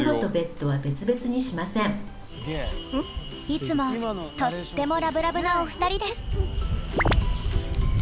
いつもとってもラブラブなお二人です。